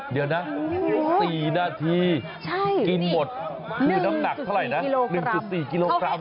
เดี๋ยวนะ๔นาทีกินหมดคือน้ำหนักเท่าไหร่นะ๑๔กิโลกรัม